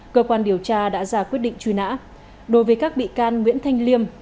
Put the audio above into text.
cơ quan điều tra đã ra quyết định truy nã đối với các bị can nguyễn thanh liêm